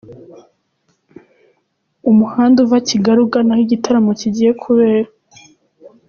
Umuhanda uva Kigali ugana aho igitaramo kigiye kubera.